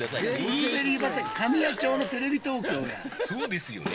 ブルーベリー畑神谷町のテレビ東京やそうですよね